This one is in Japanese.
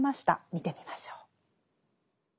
見てみましょう。